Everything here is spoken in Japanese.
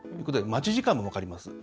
待ち時間も分かります。